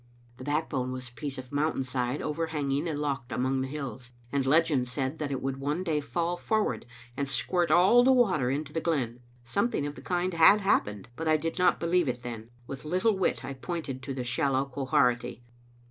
The Backbone was a piece of mountain side over hanging a loch among the hills, and legend said that it would one day fall forward and squirt all the water into the glen. Something of the kind had happened, but I did not believe it then ; with little wit I pointed to the shallow Quharity.